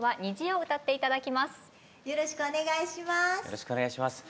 よろしくお願いします。